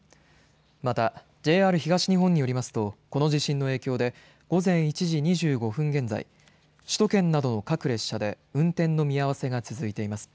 また、ＪＲ東日本によりますとこの地震の影響で午前１時２５分現在首都圏などの各列車で運転の見合わせが続いています。